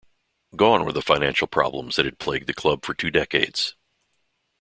Gone were the financial problems that had plagued the club for two decades.